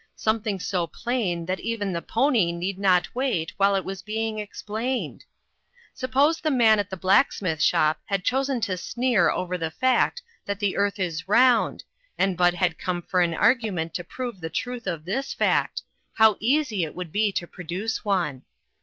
Something so plain that even the pony need not wait while it was being explained? Sup pose the man at the blacksmith shop had chosen to sneer over the fact that the earth is round, and Bud had come for an argu ment to prove the truth of this fact, how easy it would be to produce one